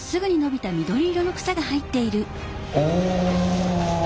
お。